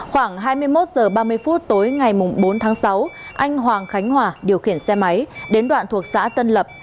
khoảng hai mươi một h ba mươi phút tối ngày bốn tháng sáu anh hoàng khánh hòa điều khiển xe máy đến đoạn thuộc xã tân lập